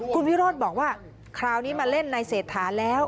คุณวิโรธบอกว่าคราวนี้มาเล่นในเศรษฐาแล้ว